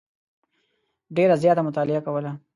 ډېره زیاته مطالعه کوله.